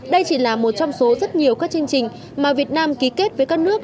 đây chỉ là một trong số rất nhiều các chương trình mà việt nam ký kết với các nước